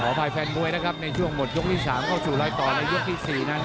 ขอภัยแฟนบ้วยนะครับในช่วงหมดยกที่๓ก็สู้รอยต่อในยกที่๔นะ